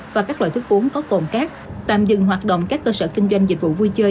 và các loại thức uống có cồn cát tạm dừng hoạt động các cơ sở kinh doanh dịch vụ vui chơi